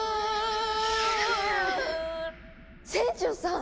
船長さん！